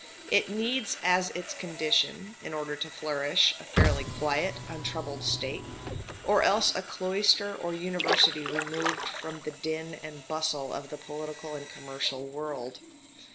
It needs as its condition, in order to flourish, a fairly quiet, untroubled state, or else a cloister or university removed from the din and bustle of the political and commercial world.